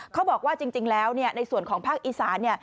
เขาบอกว่าจริงแล้วในส่วนของภาคอีสาน